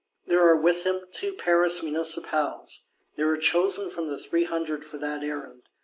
There are with him two Paris Municipals; they were chosen from the Three Hundred for that errand.